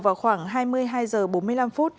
vào khoảng hai mươi hai h bốn mươi năm